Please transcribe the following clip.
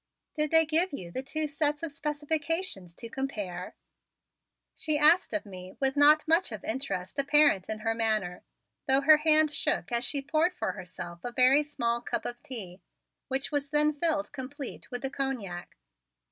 "Did they give you the two sets of specifications to compare?" she asked of me with not much of interest apparent in her manner, though her hand shook as she poured for herself a very small cup of tea, which was then filled complete with the cognac.